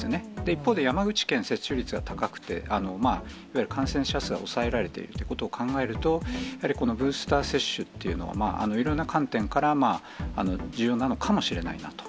一方で、山口県、接種率が高くて、いわゆる感染者数は抑えられているということを考えると、やはりこのブースター接種というのは、いろんな観点から重要なのかもしれないなと。